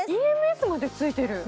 ＥＭＳまでついてる。